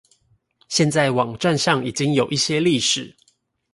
現在網站上已經有一些歷史